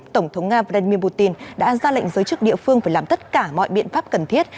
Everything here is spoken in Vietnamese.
tổng thống nga vladimir putin đã ra lệnh giới chức địa phương phải làm tất cả mọi biện pháp cần thiết